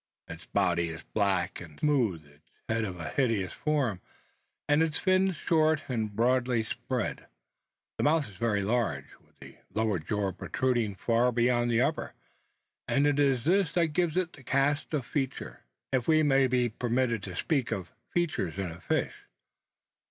Its body is black and smooth, its head of a hideous form, and its fins short and broadly spread. The mouth is very large, with the lower jaw protruding far beyond the upper, and it is this that gives to it the cast of feature, if we may be permitted to speak of "features" in a fish.